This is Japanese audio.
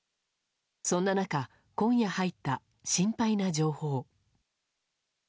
そんな中今夜入った心配な情報。